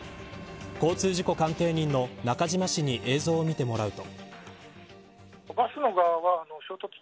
交通事故鑑定人の中島氏に映像を見てもらうと。